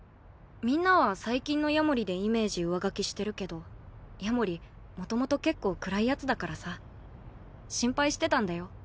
みんなは最近の夜守でイメージ上書きしてるけど夜守もともと結構暗いやつだからさ心配してたんだよ